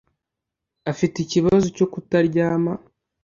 afite ikibazo cyo kutaryama